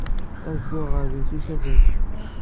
Ad dduɣ ɣer din s usafag.